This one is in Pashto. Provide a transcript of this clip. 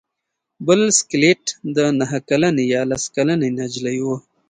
بل سکلیټ د نهه کلنې یا لس کلنې نجلۍ و.